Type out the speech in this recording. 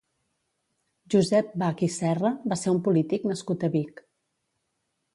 Josep Bach i Serra va ser un polític nascut a Vic.